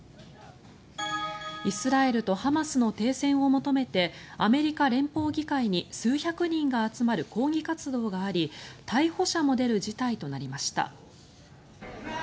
イスラエルとハマスの停戦を求めてアメリカ連邦議会に数百人が集まる抗議活動があり逮捕者も出る事態となりました。